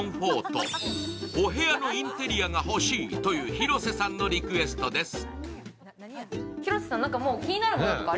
お部屋のインテリアが欲しいという広瀬さんのリクエストです。